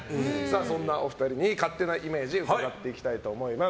そんなお二人に勝手なイメージ伺っていきたいと思います。